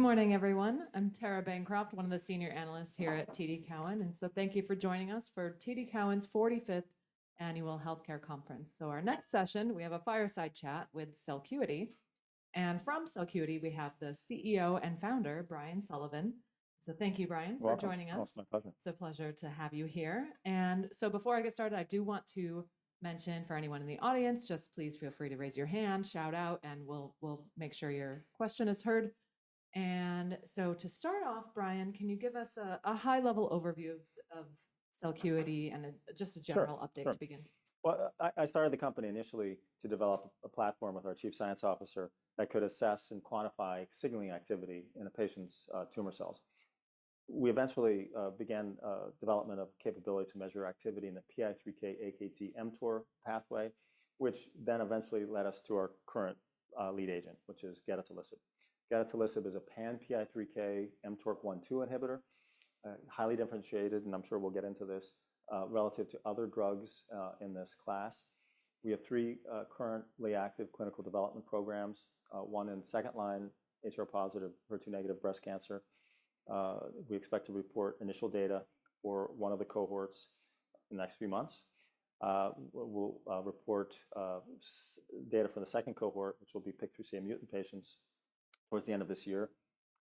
Good morning, everyone. I'm Tara Bancroft, one of the Senior Analysts here at TD Cowen. And so thank you for joining us for TD Cowen's 45th Annual Healthcare Conference. So our next session, we have a fireside chat with Celcuity. And from Celcuity, we have the CEO and Founder, Brian Sullivan. So thank you, Brian, for joining us. My pleasure. It's a pleasure to have you here. And so before I get started, I do want to mention for anyone in the audience, just please feel free to raise your hand, shout out, and we'll make sure your question is heard. And so to start off, Brian, can you give us a high-level overview of Celcuity and just a general update to begin? I started the company initially to develop a platform with our chief science officer that could assess and quantify signaling activity in a patient's tumor cells. We eventually began development of capability to measure activity in the PI3K/AKT/mTOR pathway, which then eventually led us to our current lead agent, which is gedatolisib. Gedatolisib is a pan-PI3K/mTORC1/2 inhibitor, highly differentiated, and I'm sure we'll get into this, relative to other drugs in this class. We have three currently active clinical development programs, one in second-line HR-positive HER2-negative breast cancer. We expect to report initial data for one of the cohorts in the next few months. We'll report data for the second cohort, which will be PIK3CA mutant patients towards the end of this year.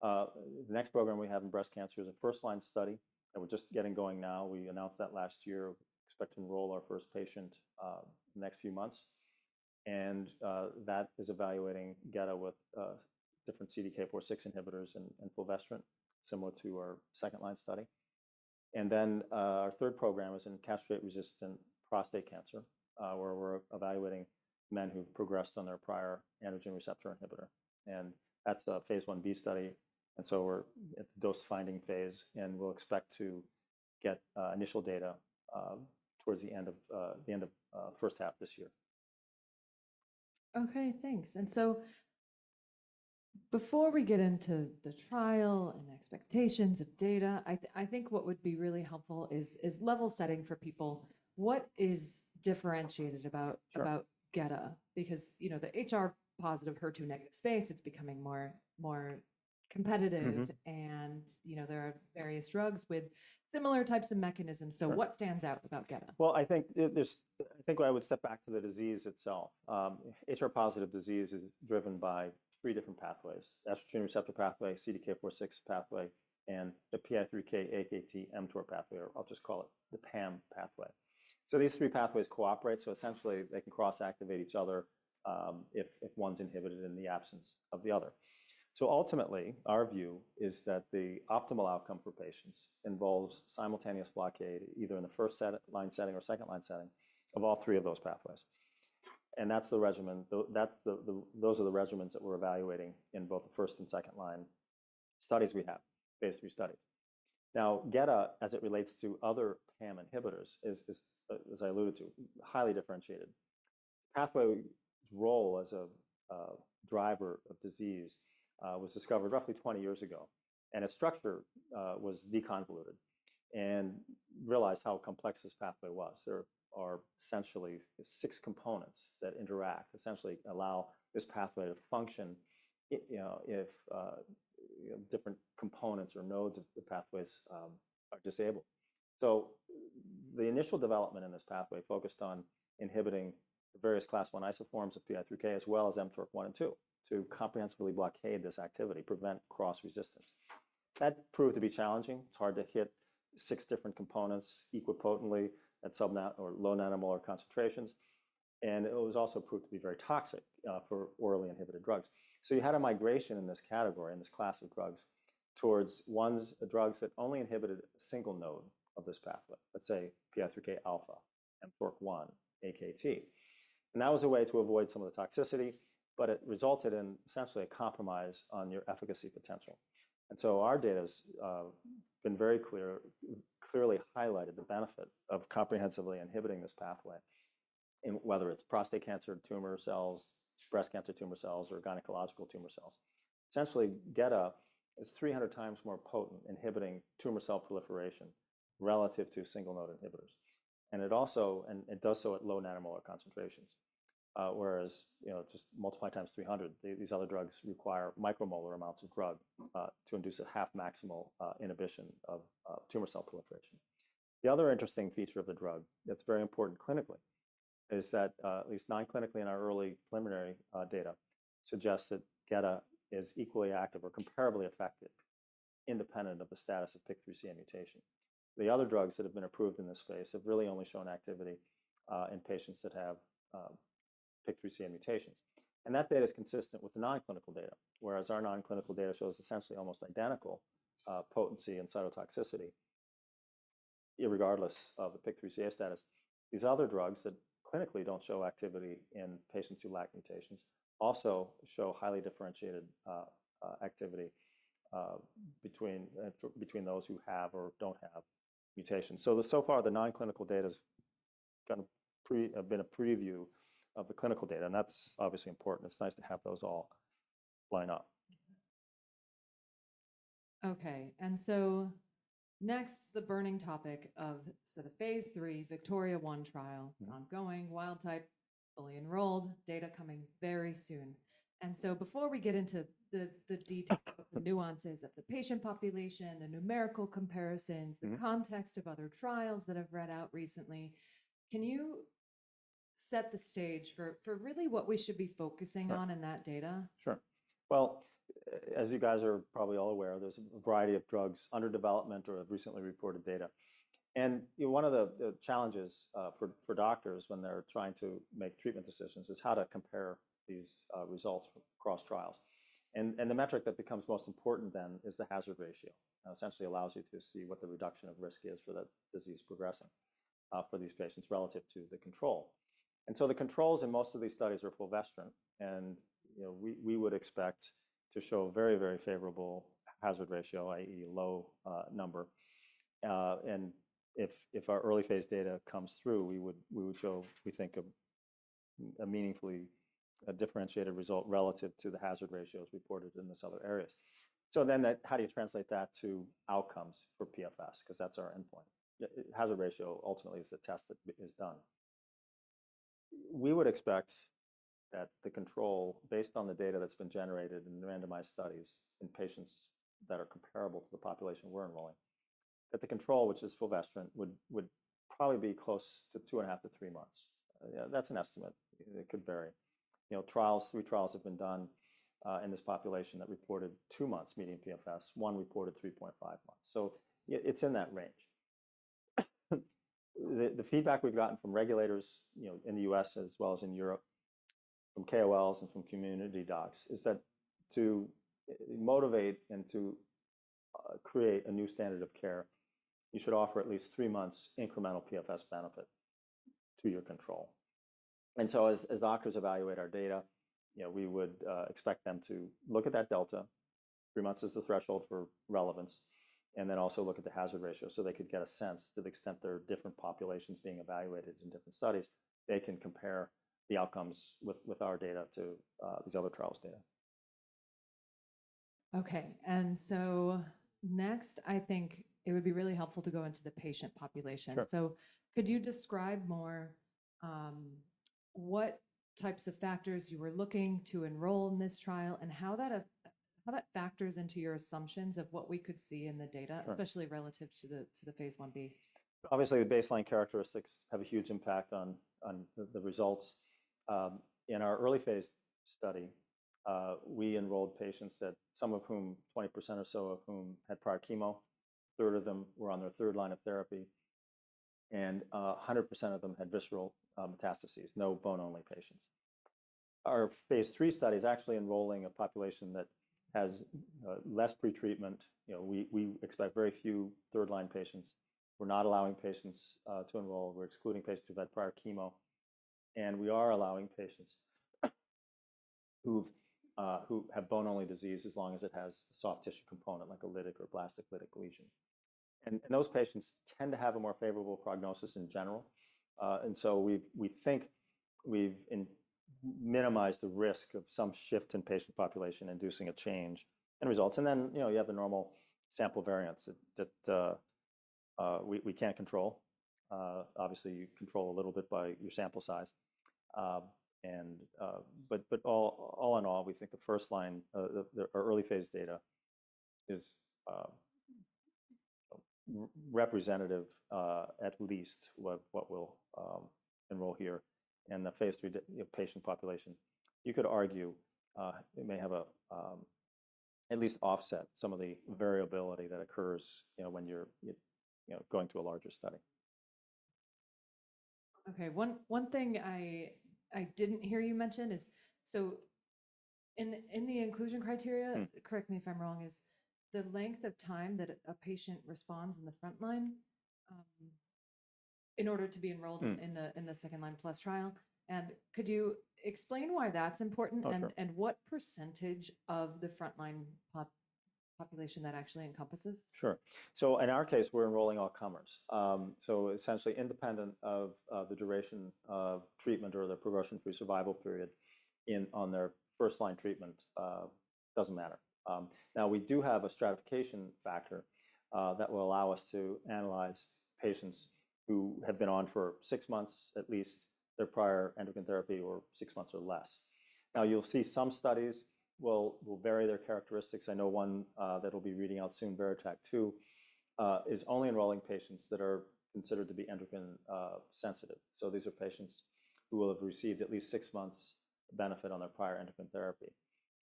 The next program we have in breast cancer is a first-line study that we're just getting going now. We announced that last year. We expect to enroll our first patient in the next few months, and that is evaluating GetA with different CDK4/6 inhibitors and fulvestrant, similar to our second-line study, and then our third program is in castrate-resistant prostate cancer, where we're evaluating men who have progressed on their prior androgen receptor inhibitor, and that's a phase 1b study, and so we're at the dose-finding phase, and we'll expect to get initial data towards the end of the first half of this year. Okay, thanks. And so before we get into the trial and expectations of data, I think what would be really helpful is level setting for people. What is differentiated about GetA? Because the HR-positive HER2-negative space, it's becoming more competitive, and there are various drugs with similar types of mechanisms. So what stands out about GetA? I think I would step back to the disease itself. HR-positive disease is driven by three different pathways: estrogen receptor pathway, CDK4/6 pathway, and the PI3K/AKT/mTOR pathway, or I'll just call it the PAM pathway. So these three pathways cooperate. So essentially, they can cross-activate each other if one's inhibited in the absence of the other. So ultimately, our view is that the optimal outcome for patients involves simultaneous blockade, either in the first-line setting or second-line setting, of all three of those pathways. And that's the regimen. Those are the regimens that we're evaluating in both the first and second-line studies we have, phase III studies. Now, GetA, as it relates to other PAM inhibitors, is, as I alluded to, highly differentiated. Pathway's role as a driver of disease was discovered roughly 20 years ago, and its structure was deconvoluted. And realized how complex this pathway was. There are essentially six components that interact, essentially allow this pathway to function if different components or nodes of the pathways are disabled. The initial development in this pathway focused on inhibiting the various class I isoforms of PI3K, as well as mTORC1/2, to comprehensively block this activity, prevent cross-resistance. That proved to be challenging. It's hard to hit six different components equally potently at sub-nanomolar or low-nanomolar concentrations. It also proved to be very toxic for oral inhibitors. You had a migration in this category, in this class of drugs, towards ones drugs that only inhibited a single node of this pathway, let's say PI3K alpha, mTORC1/AKT. That was a way to avoid some of the toxicity, but it resulted in essentially a compromise on your efficacy potential. Our data has very clearly highlighted the benefit of comprehensively inhibiting this pathway, whether it's prostate cancer tumor cells, breast cancer tumor cells, or gynecological tumor cells. Essentially, GetA is 300x more potent inhibiting tumor cell proliferation relative to single-node inhibitors. It does so at low nanomolar concentrations, whereas just multiply times 300, these other drugs require micromolar amounts of drug to induce a half-maximal inhibition of tumor cell proliferation. The other interesting feature of the drug that's very important clinically is that, at least non-clinically in our early preliminary data, suggests that GetA is equally active or comparably effective independent of the status of PIK3CA mutation. The other drugs that have been approved in this space have really only shown activity in patients that have PIK3CA mutations. And that data is consistent with the non-clinical data, whereas our non-clinical data shows essentially almost identical potency and cytotoxicity, regardless of the PIK3CA status. These other drugs that clinically don't show activity in patients who lack mutations also show highly differentiated activity between those who have or don't have mutations. So far, the non-clinical data has been a preview of the clinical data, and that's obviously important. It's nice to have those all line up. Okay. Next, the burning topic of sort of phase III VIKTORIA-1 trial, it's ongoing, wild-type, fully enrolled, data coming very soon. Before we get into the details of the nuances of the patient population, the numerical comparisons, the context of other trials that have read out recently, can you set the stage for really what we should be focusing on in that data? Sure. Well, as you guys are probably all aware, there's a variety of drugs under development or have recently reported data. And one of the challenges for doctors when they're trying to make treatment decisions is how to compare these results across trials. And the metric that becomes most important then is the hazard ratio, essentially allows you to see what the reduction of risk is for the disease progressing for these patients relative to the control. And so the controls in most of these studies are fulvestrant, and we would expect to show a very, very favorable hazard ratio, i.e., low number. And if our early phase data comes through, we would show, we think, a meaningfully differentiated result relative to the hazard ratios reported in these other areas. So then how do you translate that to outcomes for PFS? Because that's our endpoint. Hazard ratio ultimately is the test that is done. We would expect that the control, based on the data that's been generated in randomized studies in patients that are comparable to the population we're enrolling, that the control, which is fulvestrant, would probably be close to two and a half to three months. That's an estimate. It could vary. Three trials have been done in this population that reported two months median PFS. One reported 3.5 months. So it's in that range. The feedback we've gotten from regulators in the U.S., as well as in Europe, from KOLs and from community docs, is that to motivate and to create a new standard of care, you should offer at least three months incremental PFS benefit to your control. And so as doctors evaluate our data, we would expect them to look at that delta, three months as the threshold for relevance, and then also look at the hazard ratio so they could get a sense to the extent there are different populations being evaluated in different studies. They can compare the outcomes with our data to these other trials' data. Okay. And so next, I think it would be really helpful to go into the patient population. So could you describe more what types of patients you were looking to enroll in this trial and how that factors into your assumptions of what we could see in the data, especially relative to the phase 1b? Obviously, the baseline characteristics have a huge impact on the results. In our early phase study, we enrolled patients that some of whom, 20% or so of whom had prior chemo, a third of them were on their third line of therapy, and 100% of them had visceral metastases, no bone-only patients. Our phase III study is actually enrolling a population that has less pretreatment. We expect very few third-line patients. We're not allowing patients to enroll. We're excluding patients who've had prior chemo, and we are allowing patients who have bone-only disease as long as it has a soft tissue component, like a lytic or blastic lytic lesion, and those patients tend to have a more favorable prognosis in general, and so we think we've minimized the risk of some shift in patient population inducing a change in results. And then you have the normal sample variance that we can't control. Obviously, you control a little bit by your sample size. But all in all, we think the first-line, early phase data is representative at least of what we'll enroll here in the phase III patient population. You could argue it may have at least offset some of the variability that occurs when you're going to a larger study. Okay. One thing I didn't hear you mention is, so in the inclusion criteria, correct me if I'm wrong, is the length of time that a patient responds in the front line in order to be enrolled in the second-line plus trial. And could you explain why that's important and what percentage of the front-line population that actually encompasses? Sure. So in our case, we're enrolling all comers. So essentially, independent of the duration of treatment or the progression-free survival period on their first-line treatment, it doesn't matter. Now, we do have a stratification factor that will allow us to analyze patients who have been on for six months at least their prior endocrine therapy or six months or less. Now, you'll see some studies will vary their characteristics. I know one that we'll be reading out soon, VERITAC-2, is only enrolling patients that are considered to be endocrine sensitive. So these are patients who will have received at least six months benefit on their prior endocrine therapy.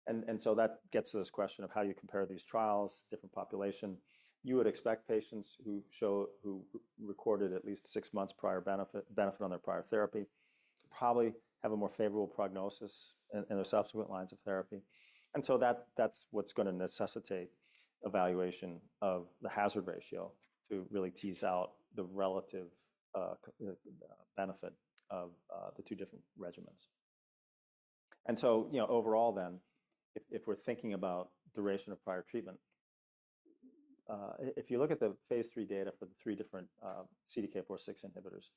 And so that gets to this question of how you compare these trials, different population. You would expect patients who received at least six months prior benefit on their prior therapy to probably have a more favorable prognosis in their subsequent lines of therapy, and so that's what's going to necessitate evaluation of the hazard ratio to really tease out the relative benefit of the two different regimens, and so overall then, if we're thinking about duration of prior treatment, if you look at the phase III data for the three different CDK4/6 inhibitors,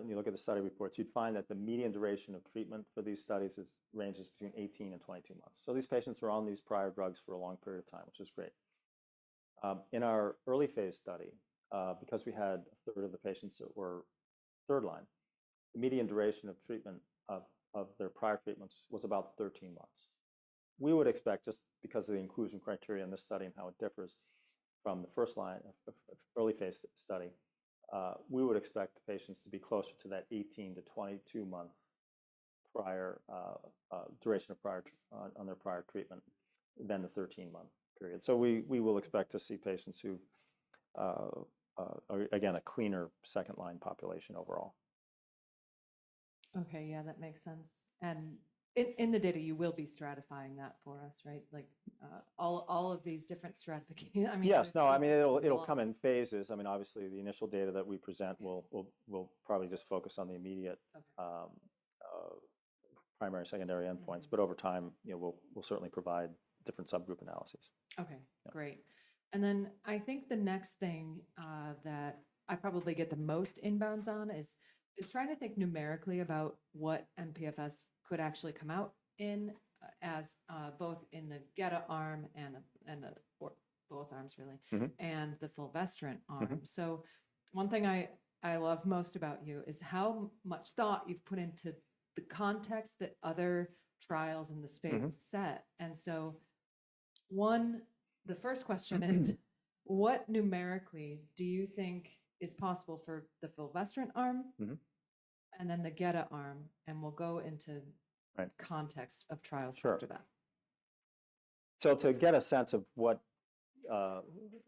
and you look at the study reports, you'd find that the median duration of treatment for these studies ranges between 18 and 22 months, so these patients were on these prior drugs for a long period of time, which is great. In our early phase study, because we had a third of the patients that were third line, the median duration of treatment of their prior treatments was about 13 months. We would expect, just because of the inclusion criteria in this study and how it differs from the first line of early phase study, we would expect patients to be closer to that 18-22-month duration on their prior treatment than the 13-month period, so we will expect to see patients who are, again, a cleaner second-line population overall. Okay. Yeah, that makes sense, and in the data, you will be stratifying that for us, right? Like all of these different stratifications. Yes. No, I mean, it'll come in phases. I mean, obviously, the initial data that we present will probably just focus on the immediate primary and secondary endpoints, but over time, we'll certainly provide different subgroup analyses. Okay. Great. And then I think the next thing that I probably get the most inbounds on is trying to think numerically about what mPFS could actually come out in, both in the GetA arm and the both arms, really, and the fulvestrant arm. So one thing I love most about you is how much thought you've put into the context that other trials in the space set. And so the first question is, what numerically do you think is possible for the fulvestrant arm and then the GetA arm? And we'll go into the context of trials after that. To get a sense of what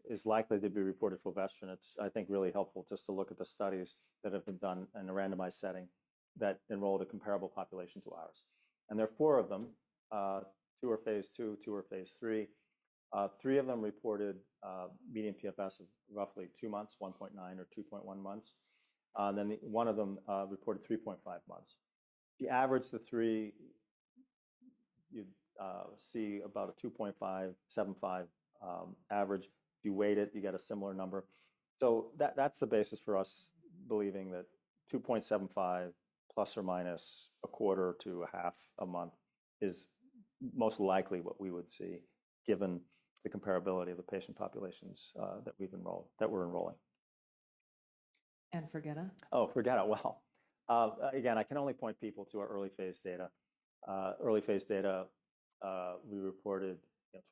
is likely to be reported fulvestrant, it's, I think, really helpful just to look at the studies that have been done in a randomized setting that enrolled a comparable population to ours. And there are four of them, two are phase II, two are phase III. Three of them reported median PFS of roughly two months, 1.9 or 2.1 months. One of them reported 3.5 months. If you average the three, you'd see about a 2.575 average. If you weighed it, you get a similar number. That's the basis for us believing that 2.75+ or minus a quarter to a half a month is most likely what we would see given the comparability of the patient populations that we're enrolling. For GetA? Oh, for GetA. Again, I can only point people to our early phase data. Early phase data, we reported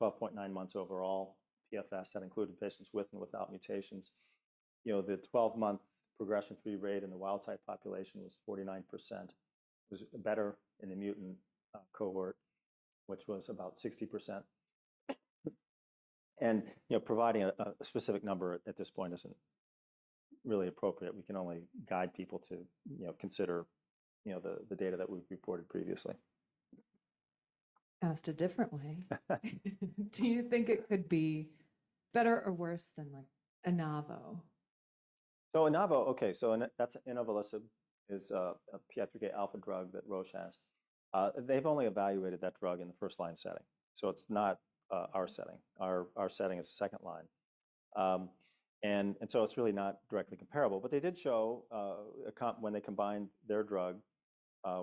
12.9 months overall PFS that included patients with and without mutations. The 12-month progression-free rate in the wild type population was 49%. It was better in the mutant cohort, which was about 60%. Providing a specific number at this point isn't really appropriate. We can only guide people to consider the data that we've reported previously. Asked a different way. Do you think it could be better or worse than a novel? So that's inavolisib is a PI3K alpha drug that Roche has. They've only evaluated that drug in the first-line setting. So it's not our setting. Our setting is second line. And so it's really not directly comparable. But they did show when they combined their drug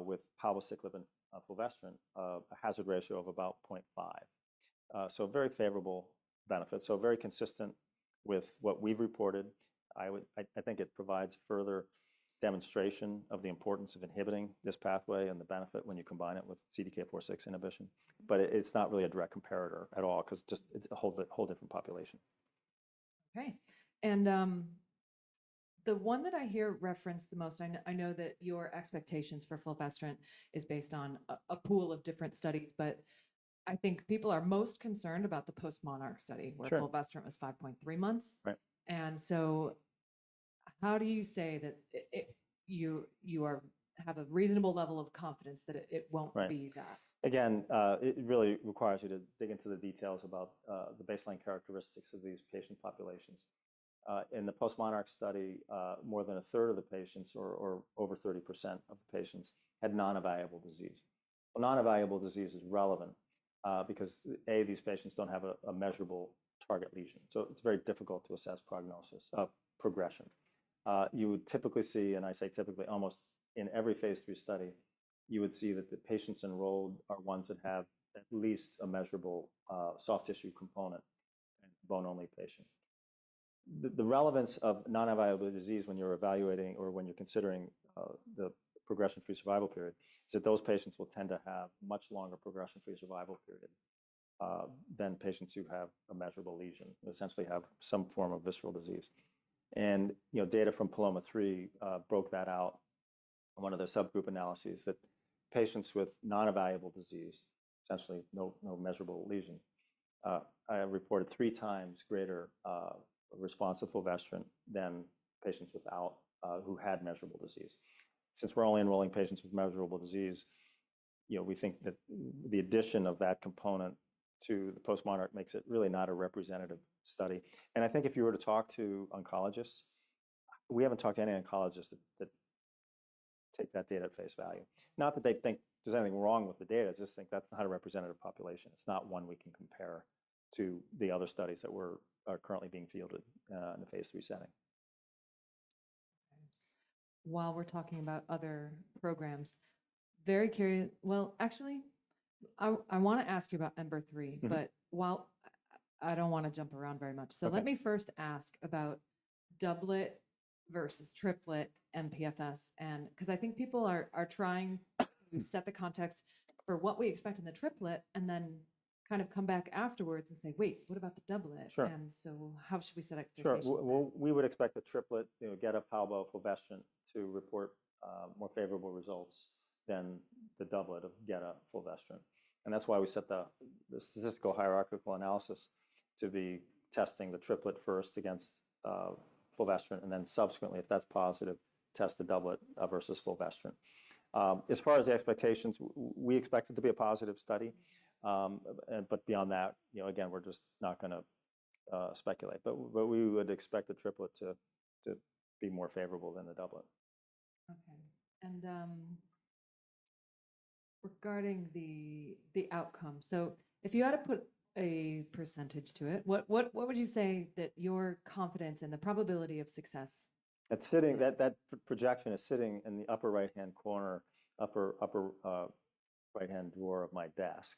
with palbociclib in fulvestrant, a hazard ratio of about 0.5. So very favorable benefit. So very consistent with what we've reported. I think it provides further demonstration of the importance of inhibiting this pathway and the benefit when you combine it with CDK4/6 inhibition. But it's not really a direct comparator at all because it's a whole different population. Okay. And the one that I hear referenced the most, I know that your expectations for fulvestrant is based on a pool of different studies, but I think people are most concerned about the post-MONARCH study where fulvestrant was 5.3 months. And so how do you say that you have a reasonable level of confidence that it won't be that? Again, it really requires you to dig into the details about the baseline characteristics of these patient populations. In the post-MONARCH study, more than a third of the patients or over 30% of the patients had non-evaluable disease. Non-evaluable disease is relevant because, A, these patients don't have a measurable target lesion. So it's very difficult to assess progression. You would typically see, and I say typically, almost in every phase III study, you would see that the patients enrolled are ones that have at least a measurable soft tissue component in bone-only patients. The relevance of non-evaluable disease when you're evaluating or when you're considering the progression-free survival period is that those patients will tend to have a much longer progression-free survival period than patients who have a measurable lesion, essentially have some form of visceral disease. Data from PALOMA-3 broke that out in one of their subgroup analyses that patients with non-evaluable disease, essentially no measurable lesion, reported three times greater response to fulvestrant than patients who had measurable disease. Since we're only enrolling patients with measurable disease, we think that the addition of that component to the post-MONARCH makes it really not a representative study. I think if you were to talk to oncologists, we haven't talked to any oncologists that take that data at face value. Not that they think there's anything wrong with the data. I just think that's not a representative population. It's not one we can compare to the other studies that were currently being fielded in the phase III setting. While we're talking about other programs, very curious. Well, actually, I want to ask you about EMBER-3, but I don't want to jump around very much. So let me first ask about doublet versus triplet mPFS because I think people are trying to set the context for what we expect in the triplet and then kind of come back afterwards and say, "Wait, what about the doublet?" And so how should we set up the case? Sure. Well, we would expect the triplet, GetA, Palbo, fulvestrant to report more favorable results than the doublet of GetA, fulvestrant. And that's why we set the statistical hierarchical analysis to be testing the triplet first against fulvestrant and then subsequently, if that's positive, test the doublet versus fulvestrant. As far as the expectations, we expect it to be a positive study. But beyond that, again, we're just not going to speculate. But we would expect the triplet to be more favorable than the doublet. Okay. And regarding the outcome, so if you had to put a percentage to it, what would you say that your confidence in the probability of success? That projection is sitting in the upper right-hand corner, upper right-hand drawer of my desk,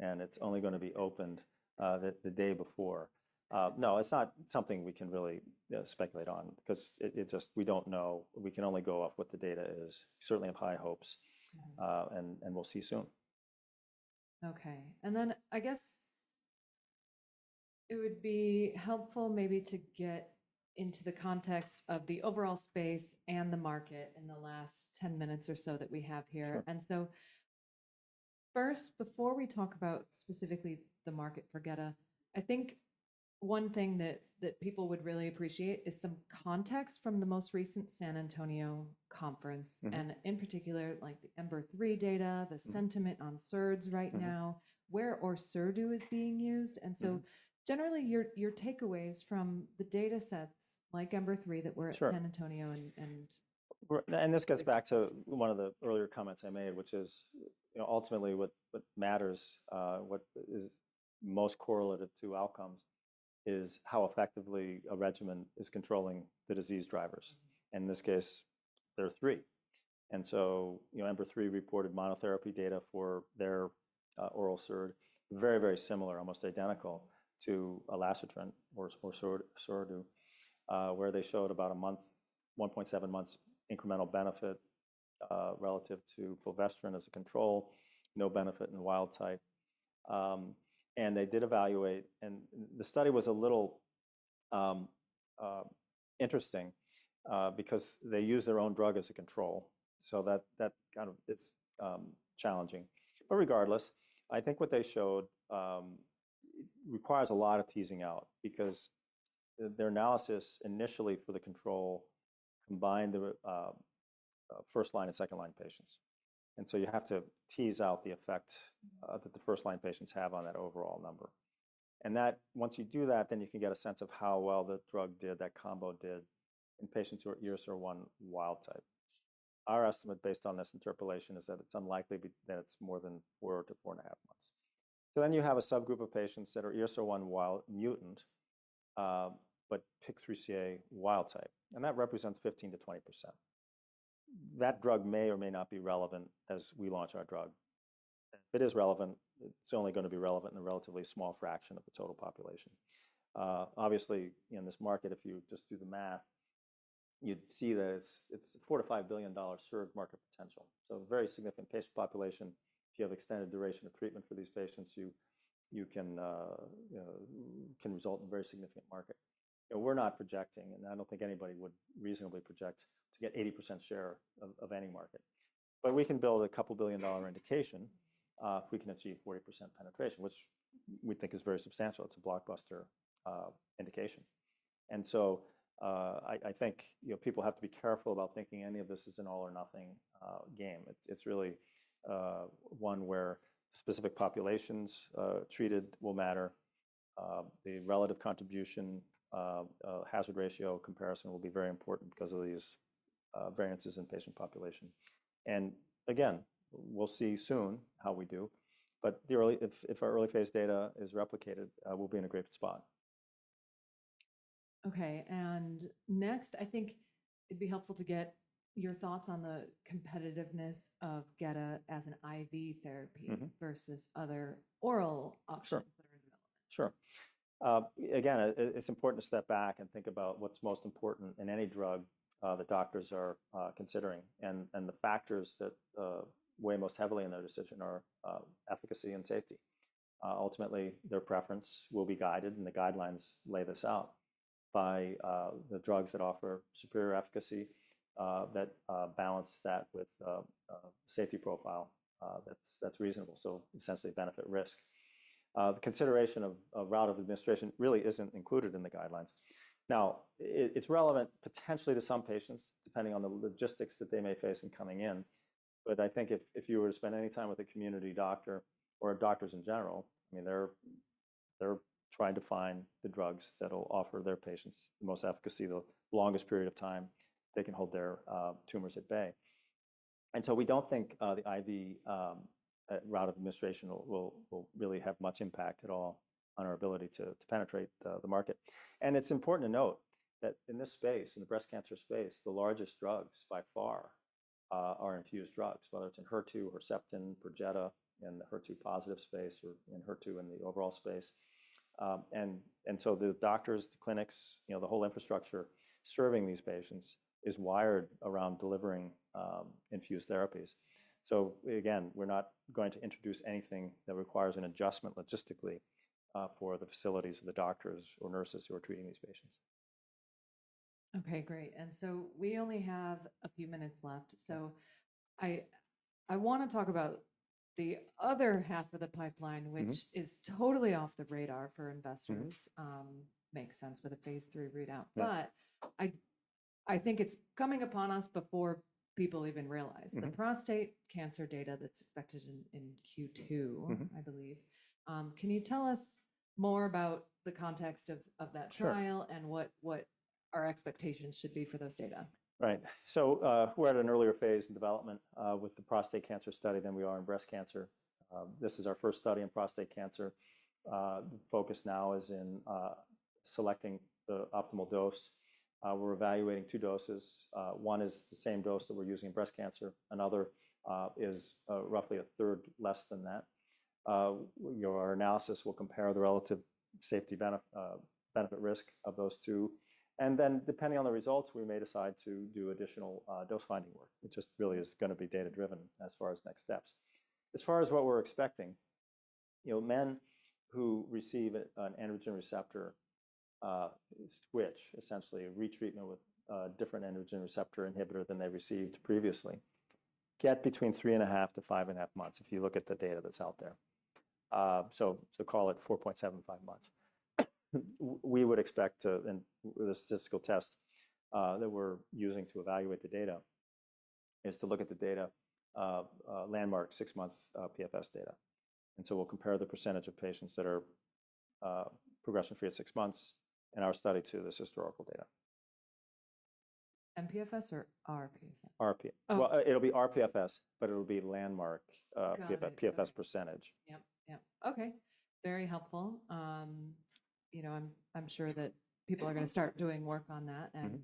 and it's only going to be opened the day before. No, it's not something we can really speculate on because we don't know. We can only go off what the data is. Certainly have high hopes, and we'll see soon. Okay. And then I guess it would be helpful maybe to get into the context of the overall space and the market in the last 10 minutes or so that we have here. And so first, before we talk about specifically the market for GetA, I think one thing that people would really appreciate is some context from the most recent San Antonio conference and in particular, like the EMBER-3 data, the sentiment on SERDs right now, where Orserdu is being used. And so generally, your takeaways from the datasets like EMBER-3 that were at San Antonio and. And this gets back to one of the earlier comments I made, which is ultimately what matters, what is most correlative to outcomes is how effectively a regimen is controlling the disease drivers. And in this case, there are three. And so EMBER-3 reported monotherapy data for their oral SERD, very, very similar, almost identical to elacestrant or Orserdu, where they showed about a month, 1.7 months incremental benefit relative to fulvestrant as a control, no benefit in wild type. And they did evaluate. And the study was a little interesting because they used their own drug as a control. So that kind of is challenging. But regardless, I think what they showed requires a lot of teasing out because their analysis initially for the control combined the first-line and second-line patients. And so you have to tease out the effect that the first-line patients have on that overall number. And once you do that, then you can get a sense of how well the drug did, that combo did in patients who are ESR1 wild type. Our estimate based on this interpolation is that it's unlikely that it's more than four to four and a half months. So then you have a subgroup of patients that are ESR1 mutant but PIK3CA wild type. And that represents 15%-20%. That drug may or may not be relevant as we launch our drug. If it is relevant, it's only going to be relevant in a relatively small fraction of the total population. Obviously, in this market, if you just do the math, you'd see that it's a $4-$5 billion SERD market potential. So very significant patient population. If you have extended duration of treatment for these patients, it can result in a very significant market. We're not projecting, and I don't think anybody would reasonably project to get 80% share of any market. But we can build a $2 billion indication if we can achieve 40% penetration, which we think is very substantial. It's a blockbuster indication. And so I think people have to be careful about thinking any of this is an all-or-nothing game. It's really one where specific populations treated will matter. The relative contribution hazard ratio comparison will be very important because of these variances in patient population. And again, we'll see soon how we do. But if our early phase data is replicated, we'll be in a great spot. Okay. And next, I think it'd be helpful to get your thoughts on the competitiveness of GetA as an IV therapy versus other oral options that are in development. Sure. Again, it's important to step back and think about what's most important in any drug that doctors are considering. And the factors that weigh most heavily in their decision are efficacy and safety. Ultimately, their preference will be guided, and the guidelines lay this out by the drugs that offer superior efficacy that balance that with a safety profile that's reasonable, so essentially benefit-risk. The consideration of a route of administration really isn't included in the guidelines. Now, it's relevant potentially to some patients, depending on the logistics that they may face in coming in. But I think if you were to spend any time with a community doctor or doctors in general, I mean, they're trying to find the drugs that'll offer their patients the most efficacy, the longest period of time they can hold their tumors at bay. And so we don't think the IV route of administration will really have much impact at all on our ability to penetrate the market. And it's important to note that in this space, in the breast cancer space, the largest drugs by far are infused drugs, whether it's in HER2, Herceptin, Perjeta, in the HER2-positive space or in HER2 in the overall space. And so the doctors, the clinics, the whole infrastructure serving these patients is wired around delivering infused therapies. So again, we're not going to introduce anything that requires an adjustment logistically for the facilities of the doctors or nurses who are treating these patients. Okay. Great. And so we only have a few minutes left. So I want to talk about the other half of the pipeline, which is totally off the radar for investors. Makes sense with a phase III readout. But I think it's coming upon us before people even realize. The prostate cancer data that's expected in Q2, I believe. Can you tell us more about the context of that trial and what our expectations should be for those data? Right. So we're at an earlier phase in development with the prostate cancer study than we are in breast cancer. This is our first study in prostate cancer. The focus now is in selecting the optimal dose. We're evaluating two doses. One is the same dose that we're using in breast cancer. Another is roughly a third less than that. Our analysis will compare the relative safety benefit-risk of those two. And then depending on the results, we may decide to do additional dose-finding work. It just really is going to be data-driven as far as next steps. As far as what we're expecting, men who receive an androgen receptor switch, essentially a retreatment with a different androgen receptor inhibitor than they received previously, get between three and a half to five and a half months if you look at the data that's out there. So call it 4.75 months. We would expect the statistical test that we're using to evaluate the data is to look at the landmark six-month PFS data, and so we'll compare the percentage of patients that are progression-free at six months in our study to this historical data. PFS or rPFS? rPFS. Well, it'll be rPFS, but it'll be landmark PFS percentage. Yep. Yep. Okay. Very helpful. I'm sure that people are going to start doing work on that. And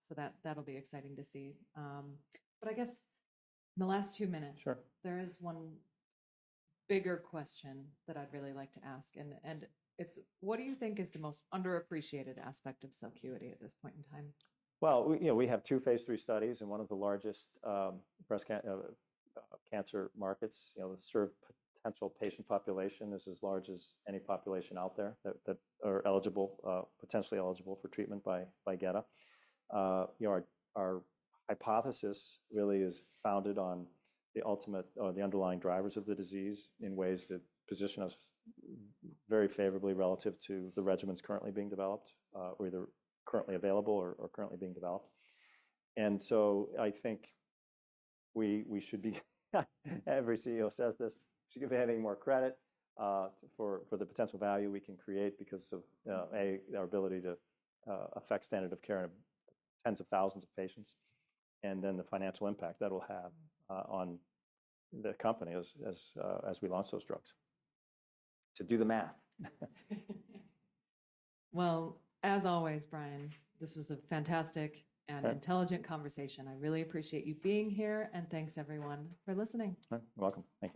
so that'll be exciting to see. But I guess in the last two minutes, there is one bigger question that I'd really like to ask. And it's, what do you think is the most underappreciated aspect of Celcuity at this point in time? We have two phase III studies in one of the largest breast cancer markets. The SERD potential patient population is as large as any population out there that are potentially eligible for treatment by GetA. Our hypothesis really is founded on the ultimate or the underlying drivers of the disease in ways that position us very favorably relative to the regimens currently being developed or either currently available or currently being developed. So I think we should be, every CEO says this, should give it any more credit for the potential value we can create because of, A, our ability to affect standard of care in tens of thousands of patients, and then the financial impact that'll have on the company as we launch those drugs. To do the math. As always, Brian, this was a fantastic and intelligent conversation. I really appreciate you being here. Thanks, everyone, for listening. You're welcome. Thank you.